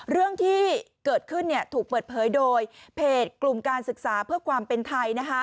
เรื่องที่เกิดขึ้นถูกเปิดเผยโดยเพจกลุ่มการศึกษาเพื่อความเป็นไทย